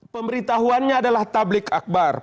pemberitahuannya adalah tablik akbar